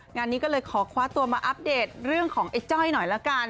งานนี้ก็เลยขอคว้าตัวมาอัปเดตเรื่องของไอ้จ้อยหน่อยละกัน